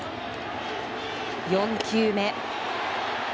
４球目。